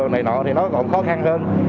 thì nó còn khó khăn hơn